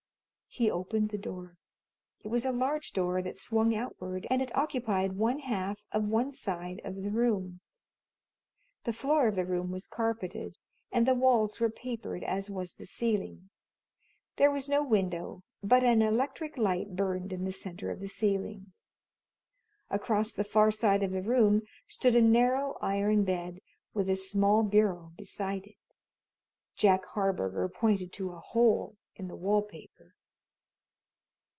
He opened the door. It was a large door that swung outward, and it occupied one half of one side of the room. The floor of the room was carpeted, and the walls were papered, as was the ceiling. There was no window, but an electric light burned in the center of the ceiling. Across the far side of the room stood a narrow iron bed, with a small bureau beside it. Jack Harburger pointed to a hole in the wall paper.